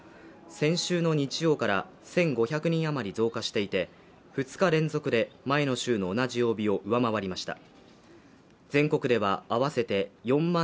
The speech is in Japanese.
先週の日曜から１５００人あまり増加していて２日連続で前の週の同じ曜日を上回りました。